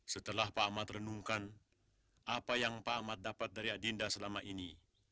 setelah pak ahmad renungkan apa yang pak ahmad dapat dari adinda selama ini